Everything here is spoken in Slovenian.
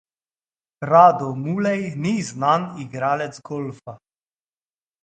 Rado Mulej ni znan igralec golfa.